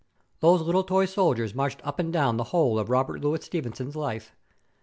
Those little tin soldiers marched up and down the whole of Robert Louis Stevenson's life.